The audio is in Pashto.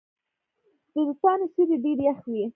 د توتانو سیوری ډیر یخ وي.